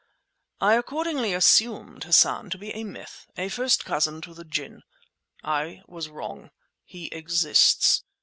I accordingly assumed Hassan to be a myth—a first cousin to the ginn. I was wrong. He exists.